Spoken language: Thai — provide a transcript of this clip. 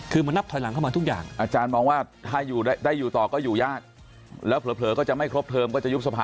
คือมันนับไถลงเข้ามาทุกอย่าง